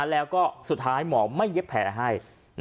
แล้วก็สุดท้ายหมอไม่เย็บแผลให้